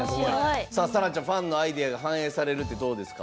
紗蘭ちゃん、ファンのアイデアが反映されるってどうですか。